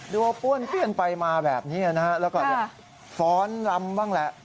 ดูว่าป้วนเปี้ยนไปมาแบบนี้นะฮะแล้วก็ฟ้อนรำบ้างแหละ